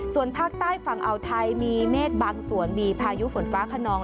ส่วนภาคใต้ฝั่งอ่าวไทยมีเมฆบางส่วนมีพายุฝนฟ้าขนอง